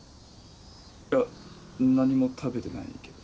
いや何も食べてないけど。